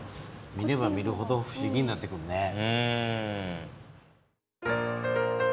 見れば見るほど不思議になってくるね。